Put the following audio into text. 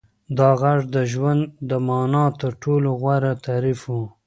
دا غږ د ژوند د مانا تر ټولو غوره تعریف و.